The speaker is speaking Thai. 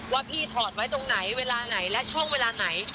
ว่าพี่ถอดไว้ตรงไหนเวลาไหนและช่วงเวลาไหน